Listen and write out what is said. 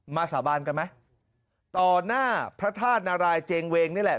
สาบานกันไหมต่อหน้าพระธาตุนารายเจงเวงนี่แหละ